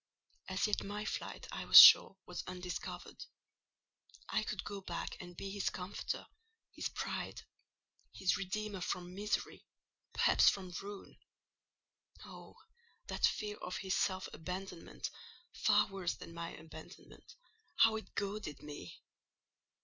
As yet my flight, I was sure, was undiscovered. I could go back and be his comforter—his pride; his redeemer from misery, perhaps from ruin. Oh, that fear of his self abandonment—far worse than my abandonment—how it goaded me!